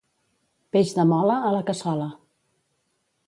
Peix de mola, a la cassola.